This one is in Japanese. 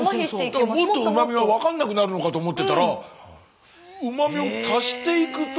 もっとうま味が分かんなくなるのかと思ってたらうま味を覚えていくんだ。